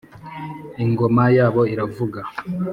ingoma yabo iravuga,